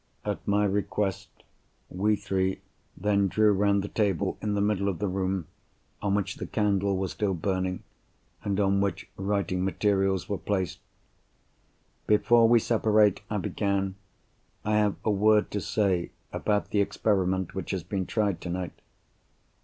At my request, we three then drew round the table in the middle of the room, on which the candle was still burning, and on which writing materials were placed. "Before we separate," I began, "I have a word to say about the experiment which has been tried tonight.